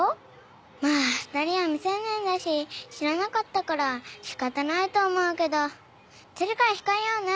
まぁ２人は未成年だし知らなかったから仕方ないと思うけど次から控えようね。